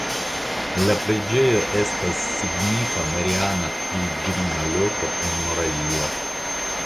La preĝejo estas signifa mariana pilgrima loko en Moravio.